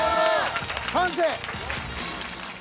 完成。